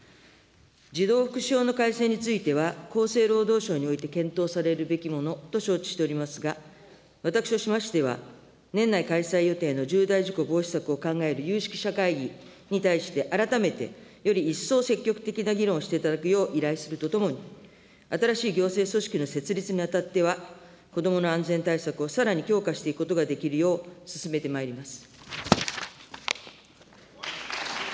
児童福祉法の改正については、厚生労働省において検討されるべきものと承知しておりますが、私としましては、年内開催予定の重大事故防止策を考える有識者会議に対して、改めてより一層積極的な議論をしていただくよう依頼するとともに、新しい行政組織の設立にあたっては、子どもの安全対策をさらに強化していくことができるよう、進めてまいります。